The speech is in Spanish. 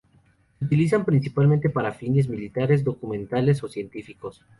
Se utilizaban principalmente para fines militares, documentales o científicos.